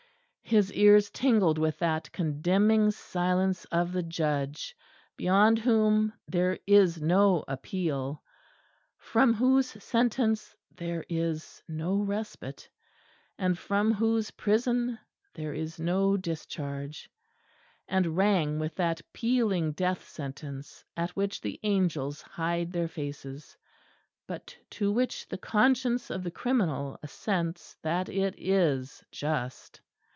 His ears tingled with that condemning silence of the Judge beyond Whom there is no appeal, from whose sentence there is no respite, and from whose prison there is no discharge; and rang with that pealing death sentence at which the angels hide their faces, but to which the conscience of the criminal assents that it is just.